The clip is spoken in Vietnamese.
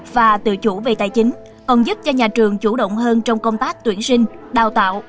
và tự chủ về tài chính còn giúp cho nhà trường chủ động hơn trong công tác tuyển sinh đào tạo